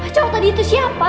cowok tadi itu siapa